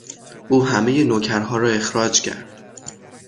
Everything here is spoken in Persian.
او همهی نوکرها را اخراج کرد.